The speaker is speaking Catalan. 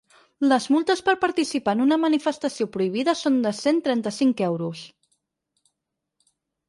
Les multes per participar en una manifestació prohibida són de cent trenta-cinc euros.